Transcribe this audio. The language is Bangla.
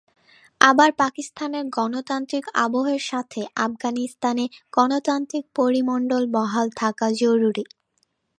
আবার পাকিস্তানের গণতান্ত্রিক আবহের স্বার্থেই আফগানিস্তানে গণতান্ত্রিক পরিমণ্ডল বহাল থাকা জরুরি।